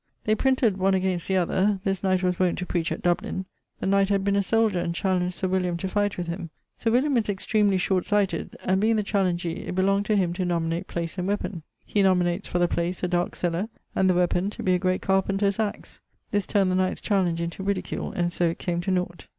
They printed one against the other: this knight was wont to preach at Dublin. The knight had been a soldier, and challenged Sir William to fight with him. Sir William is extremely short sighted, and being the challengee it belonged to him to nominate place and weapon. He nominates, for the place, a darke cellar, and the weapon to be a great carpenter's axe. This turned the knight's challenge into ridicule, and so it came to nought.